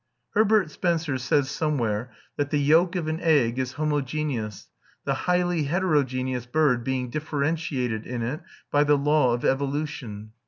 Herbert Spencer says somewhere that the yolk of an egg is homogeneous, the highly heterogeneous bird being differentiated in it by the law of evolution.